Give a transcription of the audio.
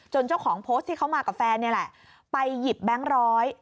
เจ้าของโพสต์ที่เขามากับแฟนนี่แหละไปหยิบแบงค์ร้อย